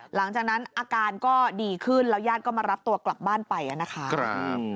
หลังจากนั้นอาการก็ดีขึ้นแล้วยาดก็มารับตัวกลับบ้านไปนะคะ